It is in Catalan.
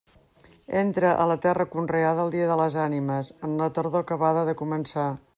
Entra a la terra conreada el dia de les Ànimes, en la tardor acabada de començar.